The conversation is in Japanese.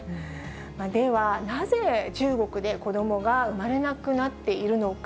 では、なぜ中国で子どもが生まれなくなっているのか。